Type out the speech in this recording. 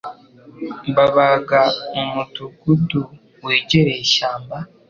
Babaga mu mudugudu wegereye ishyamba.